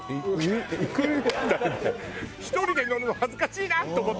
１人で乗るの恥ずかしいなと思ってたのよ。